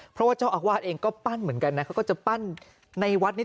เพราะว่าเจ้าอาวาสเองก็ปั้นเหมือนกันนะเขาก็จะปั้นในวัดนี้